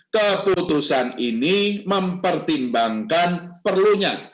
keputusan ini mempertimbangkan perlunya